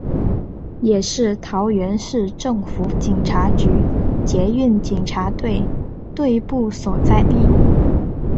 也是桃园市政府警察局捷运警察队队部所在地。